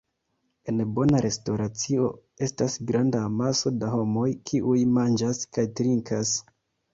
En bona restoracio estas granda amaso da homoj, kiuj manĝas kaj trinkas.